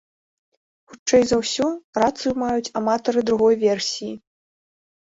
Хутчэй за ўсё, рацыю маюць аматары другой версіі.